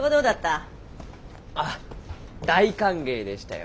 あっ大歓迎でしたよ